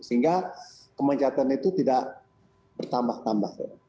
sehingga kemanjatan itu tidak bertambah tambah